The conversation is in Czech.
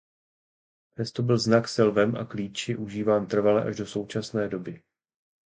Přesto byl znak se lvem a klíči užíván trvale až do současné doby.